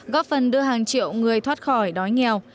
góp phần đưa hàng triệu người thoát khỏi đói nghèo